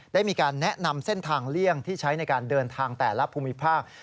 ได้มีการแนะนำเส้นทางเลี่ยงที่ใช้ในการเดินทางแต่ละภูมิภาค